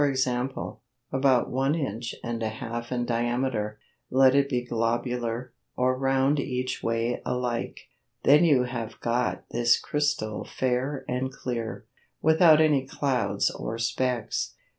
e._, about one inch and a half in diameter; let it be globular, or round each way alike; then you have got this crystal fair and clear, without any clouds or specks.